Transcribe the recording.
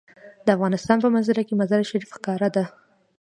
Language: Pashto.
د افغانستان په منظره کې مزارشریف ښکاره ده.